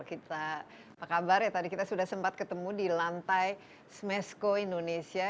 kita apa kabar ya tadi kita sudah sempat ketemu di lantai smesco indonesia